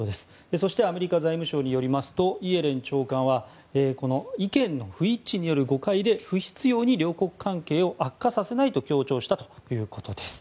そしてアメリカ財務省によりますとイエレン長官は意見の不一致による誤解で不必要に両国関係を悪化させないと強調したということです。